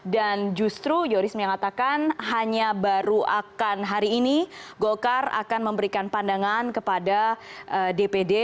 dan justru yoris menyatakan hanya baru akan hari ini golkar akan memberikan pandangan kepada dpd